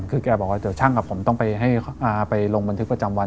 คือแกบอกว่าเดี๋ยวช่างกับผมต้องไปลงบันทึกประจำวัน